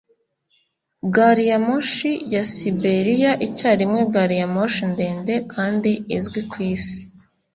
Gari ya moshi ya Siberiya icyarimwe gari ya moshi ndende kandi izwi kwisi